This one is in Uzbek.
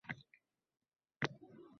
U dunyoda baxting ta’min